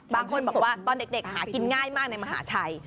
บางคนบอกว่าตอนเด็กหากินง่ายมากในมหาชัย